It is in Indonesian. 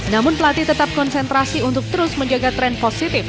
namun pelatih tetap konsentrasi untuk terus menjaga tren positif